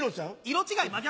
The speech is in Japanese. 色違い真逆！